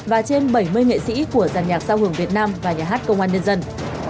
và trên bảy mươi nghệ sĩ của giàn nhạc sao hưởng việt nam và nhà hát công an nhân dân